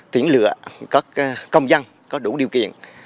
tuyển lựa các công dân có đủ điều kiện